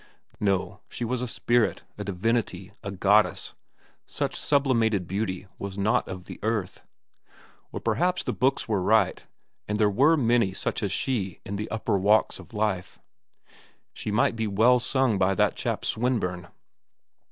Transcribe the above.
No, she was a spirit, a divinity, a goddess; such sublimated beauty was not of the earth. Or perhaps the books were right, and there were many such as she in the upper walks of life. She might well be sung by that chap, Swinburne.